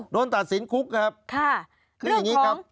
โดนตัดสินคุกครับค่ะเรื่องของค่ะคืออย่างนี้ครับ